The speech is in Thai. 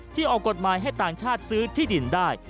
ออกกฎหมายให้ต่างชาติซื้อที่ดินได้